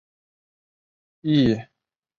异鼷鹿科是一科已灭绝的偶蹄目。